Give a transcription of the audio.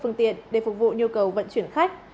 phương tiện để phục vụ nhu cầu vận chuyển khách